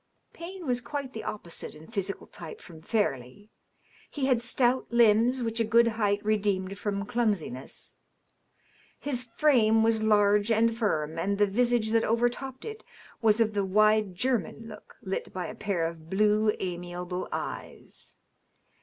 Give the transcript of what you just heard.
Payne was quite the opposite in physical type from Fairleigh. He had stout limbs which a good height redeemed from clumsiness. His fi*ame was large and firm, and the visage that overtopped it was of the wide German look, lit by a pair of blue, amiable eyes.